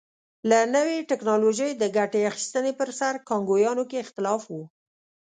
له نوې ټکنالوژۍ د ګټې اخیستنې پر سر کانګویانو کې اختلاف و.